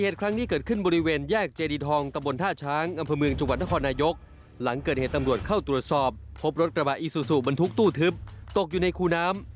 ทุกตู้ทึบตกอยู่ในคู่น้ำ